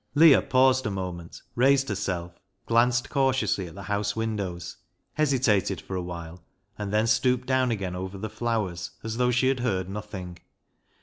Leah paused a moment, raised herself, glanced cautiously at the house windows, hesitated for a while, and then stooped down again over the flov/ers as though she had heard nothing.